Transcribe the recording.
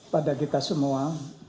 pada kita semua